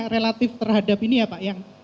relatif terhadap ini ya pak